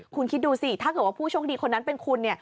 คุณคิดดูสิถ้าเกิดว่าผู้โชคดีคนนั้นเป็นคุณ